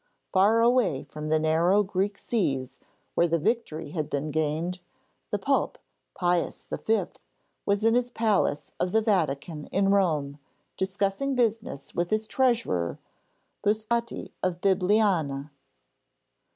Far away from the narrow Greek seas, where the victory had been gained, the Pope, Pius V, was in his palace of the Vatican in Rome, discussing business with his treasurer, Busotti of Bibiana.